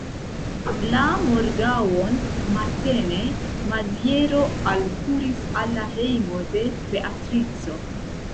La morgaŭon matene Maziero alkuris al la hejmo de Beatrico.